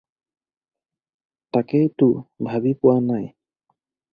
তাকে তো ভাবি পোৱা নাই।